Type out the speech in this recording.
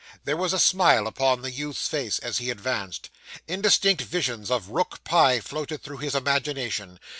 There was a smile upon the youth's face as he advanced. Indistinct visions of rook pie floated through his imagination.